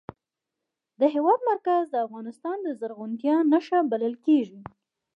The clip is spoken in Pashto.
د هېواد مرکز د افغانستان د زرغونتیا نښه بلل کېږي.